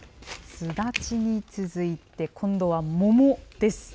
すだちに続いて、今度は桃です。